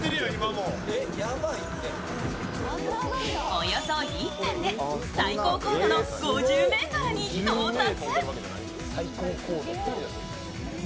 およそ１分で最高高度の５０ｍに到達。